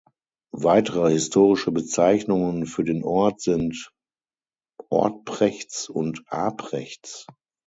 Weitere historische Bezeichnungen für den Ort sind "Ortprechts" und "Aprechts".